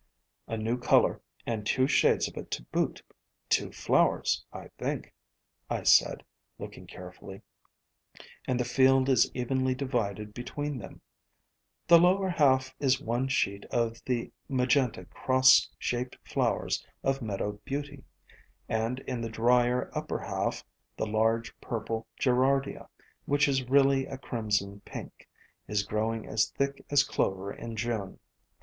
"A new color and two shades of it to boot, — two flowers, I think," I said, looking carefully, "and the field is evenly divided between them. The lower half is one sheet of the magenta, cross shaped flowers of Meadow Beauty; and in the drier upper half the large Purple Gerardia, which is really a crimson pink, is growing as thick as Clover in June.